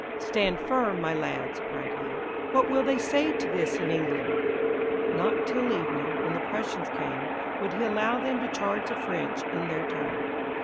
"Stand firm, my lads," cried he. "What will they say to this in England?" Not till evening, when the Prussians came, would he allow them to charge the French in their turn.